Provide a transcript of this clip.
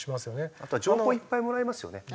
あとは情報いっぱいもらえますよね。